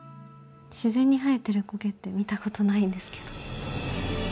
自然に生えてる苔って見たことないんですけど。